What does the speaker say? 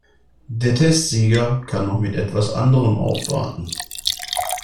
Der Testsieger kann noch mit etwas anderem aufwarten.